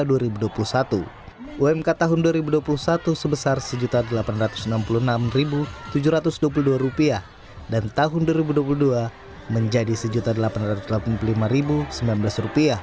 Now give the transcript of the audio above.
umk tahun dua ribu dua puluh satu sebesar rp satu delapan ratus enam puluh enam tujuh ratus dua puluh dua dan tahun dua ribu dua puluh dua menjadi rp satu delapan ratus delapan puluh lima sembilan belas